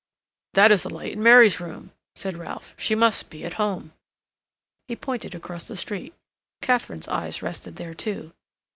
"That is the light in Mary's room," said Ralph. "She must be at home." He pointed across the street. Katharine's eyes rested there too.